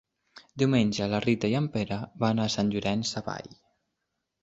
Diumenge na Rita i en Pere van a Sant Llorenç Savall.